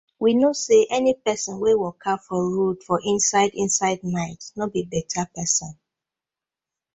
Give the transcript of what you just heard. We kno say any pesin wey waka for road for inside inside night no bi beta pesin.